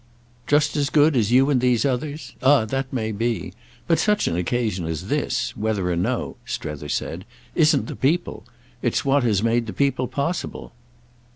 "Just as good as you and these others? Ah that may be. But such an occasion as this, whether or no," Strether said, "isn't the people. It's what has made the people possible."